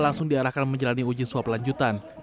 langsung diarahkan menjalani uji swab lanjutan